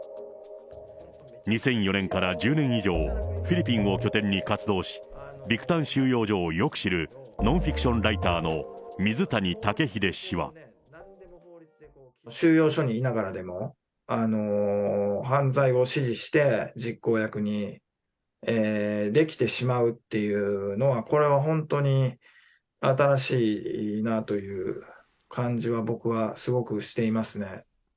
２００４年から１０年以上、フィリピンを拠点に活動し、ビクタン収容所をよく知るノンフィクションライターの水谷竹秀氏収容所にいながらでも、犯罪を指示して、実行役にできてしまうっていうのは、これは本当に新しいなという感じは、僕はすごくしていますね。